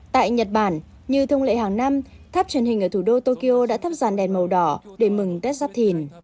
tại nhật bản như thông lệ hàng năm tháp truyền hình ở thủ đô tokyo đã thắp giàn đèn màu đỏ để mừng tết giáp thìn